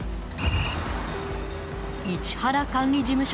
市原管理事務所